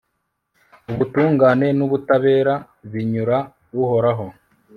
ubutungane n'ubutabera binyura uhoraho